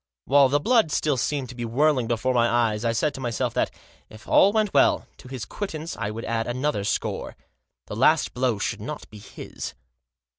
While the blood still seemed to be whirling before my eyes I said to myself that, if all went well, to his quittance I would add another score. The last blow should not be his.